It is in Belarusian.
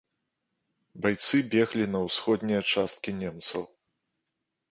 Байцы беглі на ўсходнія часткі немцаў.